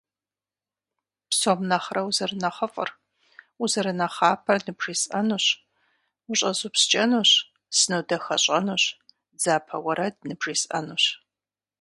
Псом нэхъырэ узэрынэхъыфӏыр, узэрынэхъапэр ныбжесӏэнущ, ущӏэзупскӏэнущ, сынодахэщӏэнущ, дзапэ уэрэд ныбжесӏэнущ.